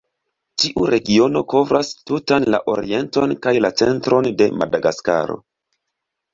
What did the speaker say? Tiu regiono kovras tutan la orienton kaj la centron de Madagaskaro.